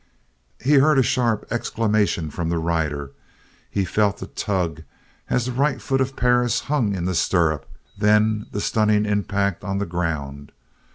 He heard a sharp exclamation from the rider he felt the tug as the right foot of Perris hung in the stirrup, then the stunning impact on the ground.